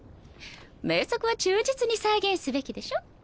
名作は忠実に再現すべきでしょ？